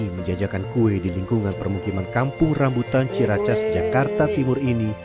yang menjajakan kue di lingkungan permukiman kampung rambutan ciracas jakarta timur ini